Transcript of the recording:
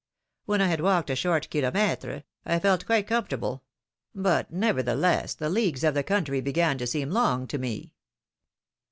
When I had walked a short hilomUrey I felt quite com fortable, but, nevertheless, the leagues of the country began to seem long to me.